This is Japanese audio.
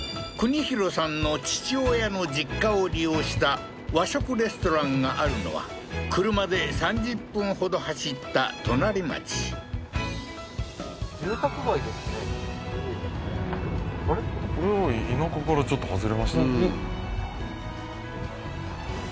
大さんの父親の実家を利用した和食レストランがあるのは車で３０分ほど走った隣町田舎からちょっと外れましたね